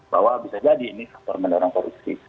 bahwa bisa jadi ini faktor mendorong korupsi